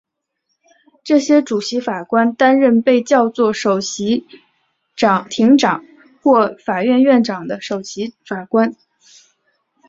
这些主席法官担任被叫作首席庭长或法院院长的首席法官。